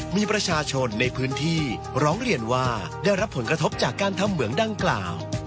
มีประชาชนในพื้นที่ร้องเรียนว่าได้รับผลกระทบจากการทำเหมืองดังกล่าว